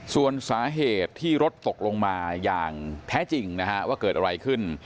ส่วนสาเหตุที่รถตกลงมาอย่างแท้จริงนะฮะว่าเกิดอะไรขึ้น